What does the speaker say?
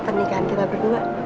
terima kasih banyak ya